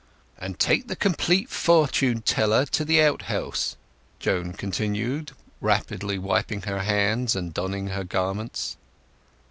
"And take the Compleat Fortune Teller to the outhouse," Joan continued, rapidly wiping her hands, and donning the garments.